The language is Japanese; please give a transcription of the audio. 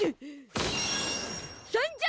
参上！